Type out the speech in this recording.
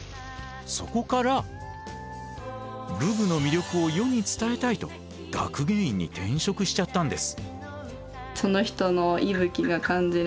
そこから武具の魅力を世に伝えたいと学芸員に転職しちゃったんです。